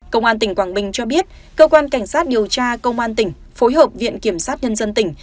công an tỉnh quảng bình cho biết cơ quan cảnh sát điều tra công an tỉnh phối hợp viện kiểm sát nhân dân tỉnh